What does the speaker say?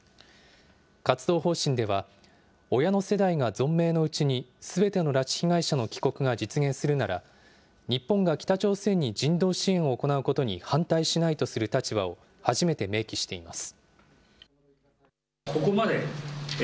活動方針では、親の世代が存命のうちに、すべての拉致被害者の帰国が実現するなら、日本が北朝鮮に人道支援を行うことに反対しないとする立場を、初めて明記しています。